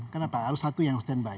kenapa harus satu yang standby